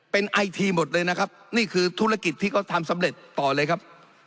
เป็นไอทีหมดเลยนะครับนี่คือธุรกิจที่เขาทำสำเร็จต่อเลยครับ